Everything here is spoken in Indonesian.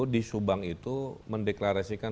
di subang itu mendeklarasikan